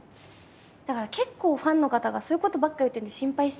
だから結構ファンの方がそういうことばっか言ってるんで心配してて。